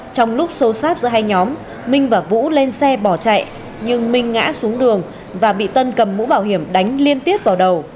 trong lúc xô sát giữa hai nhóm minh và vũ lên xe bỏ chạy nhưng minh ngã xuống đường và bị tân cầm mũ bảo hiểm đánh liên tiếp vào đầu